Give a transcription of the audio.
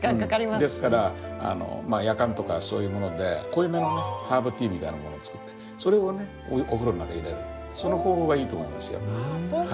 ですからやかんとかそういうもので濃いめのねハーブティーみたいなものを作ってそれをねお風呂の中に入れるその方法がいいと思いますよ。